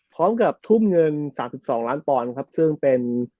พร้อมกับทุ่มเงิน๓๒ล้านฟรซึ่งเป็น